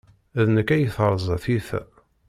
D nekk ay terza tyita.